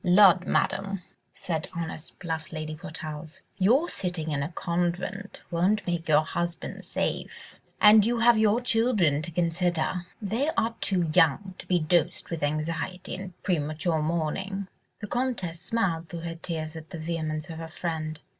"Lud, Madame!" said honest, bluff Lady Portarles, "your sitting in a convent won't make your husband safe, and you have your children to consider: they are too young to be dosed with anxiety and premature mourning." The Comtesse smiled through her tears at the vehemence of her friend.